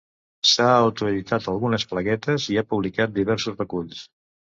S'ha autoeditat algunes plaguetes i ha publicat diversos reculls.